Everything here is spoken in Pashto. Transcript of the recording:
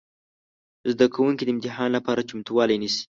زده کوونکي د امتحان لپاره چمتووالی نیسي.